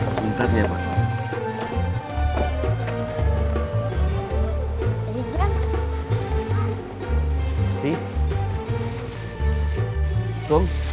sebentar ya pak